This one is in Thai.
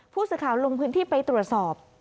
ผู้สื่อข่าวลงพื้นที่ไปตรวจสอบ